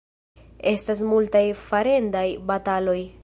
Estas multaj farendaj bataloj.